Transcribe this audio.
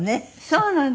そうなんです。